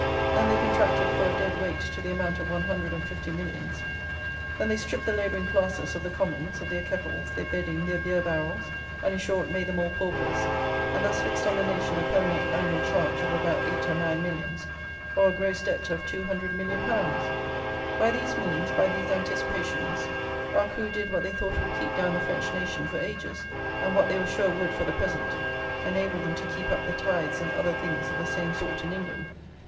Then they contracted for a "dead weight" to the amount of one hundred and fifty millions. Then they stripped the labouring classes of the commons, of their kettles, their bedding, their beer barrels; and, in short, made them all paupers, and thus fixed on the nation a permanent annual charge of about 8 or 9 millions, or a gross debt of 200,000,000_l._ By these means, by these anticipations, our crew did what they thought would keep down the French nation for ages; and what they were sure would, for the present, enable them to keep up the tithes and other things of the same sort in England.